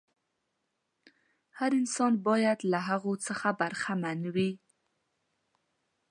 هر انسان باید له هغو څخه برخمن وي.